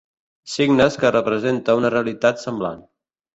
Signes que representa una realitat semblant.